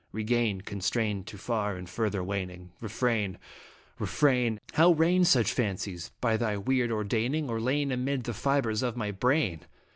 Regain, constrain to far and further waning Refrain I Refrain ! How reign such fancies? By thy weird ordaining, Or lain amid the fibres of my brain